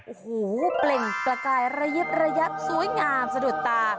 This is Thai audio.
โอ้โหเปล่งประกายระยิบระยับสวยงามสะดุดตา